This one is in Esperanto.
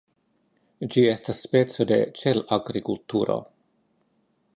Ĝi estas speco de ĉelagrikulturo.